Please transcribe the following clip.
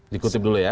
dikutip dulu ya